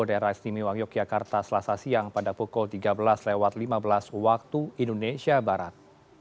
daerah istimewa yogyakarta selasa siang pada pukul tiga belas lima belas waktu indonesia barat